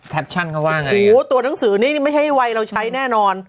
แทปชั่นเขาว่าอย่างงี้ตัวหนังสือนี้ไม่ใช่ไวเราใช้แน่นอน